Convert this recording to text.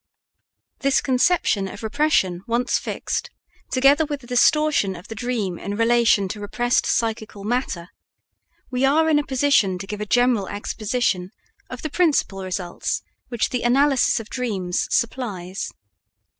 This conception of repression once fixed, together with the distortion of the dream in relation to repressed psychical matter, we are in a position to give a general exposition of the principal results which the analysis of dreams supplies.